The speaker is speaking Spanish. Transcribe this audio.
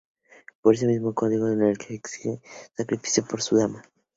Pero es ese mismo código el que exige un sacrificio por su dama.